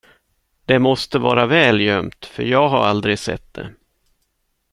Det måste vara väl gömt, för jag har aldrig sett det.